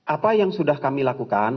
apa yang sudah kami lakukan